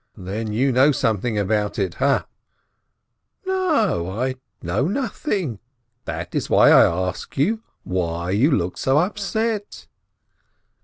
Then you know something about it, ha !" "No, I know nothing. That is why I ask you why you look so upset."